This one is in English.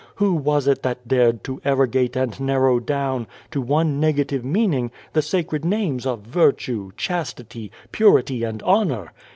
Who was it that dared to arrogate and narrow down, to one negative meaning, the sacred names of ' virtue/ ' chas tity/ 'purity/ and 'honour'?